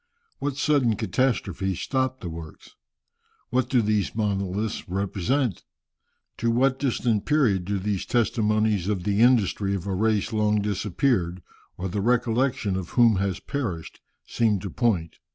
What sudden catastrophe stopped the works? What do these monoliths represent? To what distant period do these testimonies of the industry of a race long disappeared, or the recollection of whom has perished, seem to point?